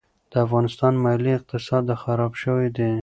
د افغانستان مالي اقتصاد خراب شوی دي.